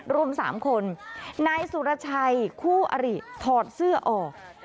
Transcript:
รวม๓คนนายสุรชัยคู่อริถอดเสื้อออก